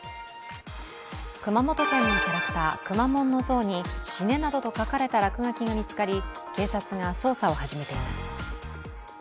熊本県のキャラクターくまモンの像に「しね」などと書かれた落書きが見つかり警察が捜査を始めています。